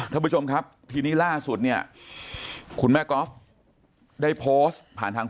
ท่านผู้ชมครับทีนี้ล่าสุดเนี่ยคุณแม่ก๊อฟได้โพสต์ผ่านทาง